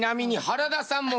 原田さんも？